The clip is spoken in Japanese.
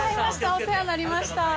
お世話になりました。